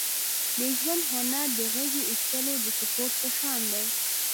د ژوند هنر د غېږې اېستلو د سپورت په شان دی.